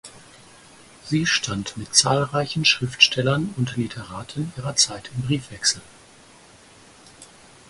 Sie stand mit zahlreichen Schriftstellern und Literaten ihrer Zeit im Briefwechsel.